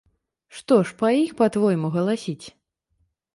Што ж па іх, па-твойму, галасіць?